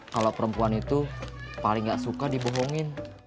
kalau perempuan itu paling gak suka dibohongin